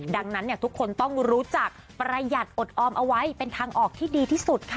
ดังนั้นทุกคนต้องรู้จักประหยัดอดออมเอาไว้เป็นทางออกที่ดีที่สุดค่ะ